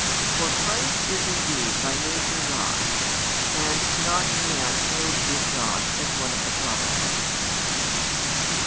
For Christ is indeed by Nature God, and not a man "clothed with God" as one of the prophets.